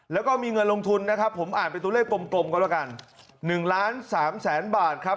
แล้วก็มีเงินลงทุนนะครับผมอ่านเป็นตัวเลขกลมก็แล้วกัน๑ล้านสามแสนบาทครับ